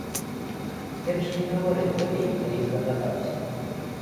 Лепш не гавары болей, калі здагадаўся.